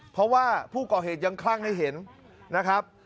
เพราะว่าผู้ก่อเหตุยังคลั่งให้เห็นนะครับ